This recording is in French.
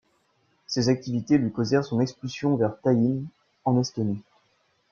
Ses activités lui causèrent son expulsion vers Tallinn, en Estonie.